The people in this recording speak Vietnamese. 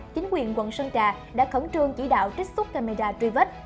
chính quyền quận sơn trà đã khẩn trương chỉ đạo trích xuất camera truy vết